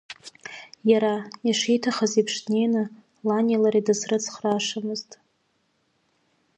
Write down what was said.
Иара, ишиҭахыз еиԥш днеины, лани лареи дызрыцхраашамызт.